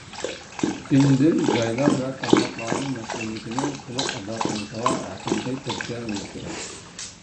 ئۈچىنچىدىن، جايلار ۋە تارماقلارنىڭ مەسئۇلىيىتىنى تولۇق ئادا قىلىشىغا ھەقىقىي تۈرتكە بولۇش كېرەك.